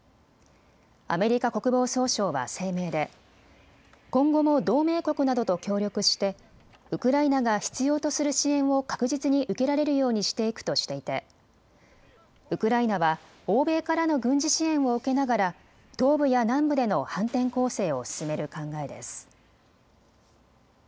アメリカ国防総省は声明で今後も同盟国などと協力してウクライナが必要とする支援を確実に受けられるようにしていくとしていてウクライナは欧米からの軍事支援を受けながら東部や南部での反転攻勢を進める考えです。